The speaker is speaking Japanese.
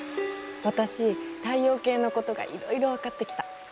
私太陽系のことがいろいろ分かってきた。